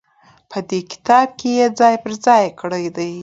په دې کتاب کې يې ځاى په ځاى کړي دي.